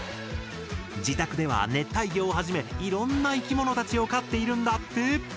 自宅では熱帯魚をはじめいろんな生き物たちを飼っているんだって！